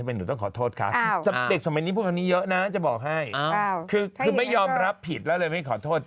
มันไม่ได้ผิดอะไรที่มีที่จะขอโทษค่ะ